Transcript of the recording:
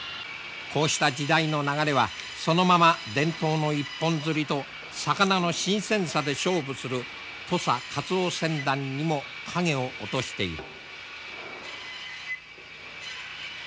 こうした時代の流れはそのまま伝統の一本づりと魚の新鮮さで勝負する土佐カツオ船団にも影を落としている。